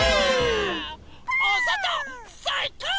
おそとさいこう！